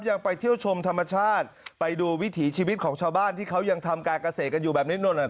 ยังไปเที่ยวชมธรรมชาติไปดูวิถีชีวิตของชาวบ้านที่เขายังทำการเกษตรกันอยู่แบบนี้